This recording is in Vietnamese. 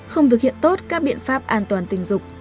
không thực hiện tốt các biện pháp an toàn tình dục